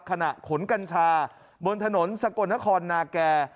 ขนกัญชาบนถนนสกลนครนาแก่